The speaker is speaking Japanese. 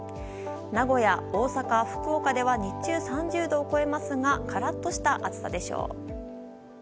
名古屋、大阪、福岡では日中３０度を超えますが、からっとした暑さでしょう。